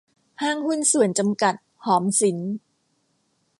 ห้างหุ้นส่วนจำกัด หอมสิน